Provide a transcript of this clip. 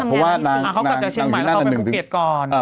เพราะว่านางอยู่ด้านหน้าเป็นภูเก็ตก่อน